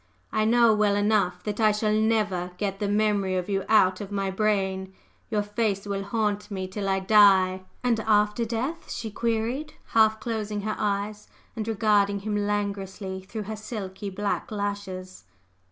I know well enough that I shall never get the memory of you out of my brain; your face will haunt me till I die!" "And after death?" she queried, half closing her eyes, and regarding him languorously through her silky black lashes.